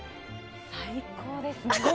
最高ですね。